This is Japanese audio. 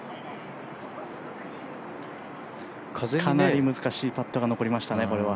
かなり難しいパットが残りましたね、これは。